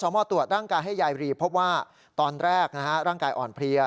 มาตรวจร่างกายให้ยายบรีพบว่าตอนแรกร่างกายอ่อนเพลีย